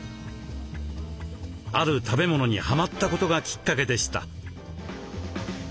ある食べ物にハマったことがきっかけでした。